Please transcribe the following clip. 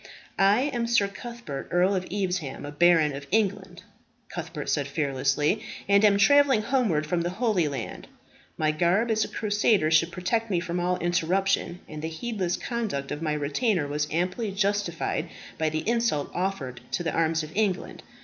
"I am Sir Cuthbert, Earl of Evesham, a baron of England," Cuthbert said fearlessly, "and am travelling homeward from the Holy Land. My garb as a crusader should protect me from all interruption; and the heedless conduct of my retainer was amply justified by the insult offered to the arms of England.